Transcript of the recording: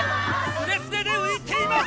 すれすれで浮いています。